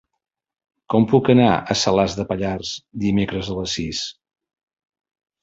Com puc anar a Salàs de Pallars dimecres a les sis?